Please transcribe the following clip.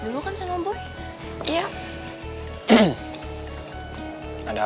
kayaknya dia udah kemana mana